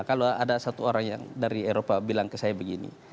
kalau ada satu orang yang dari eropa bilang ke saya begini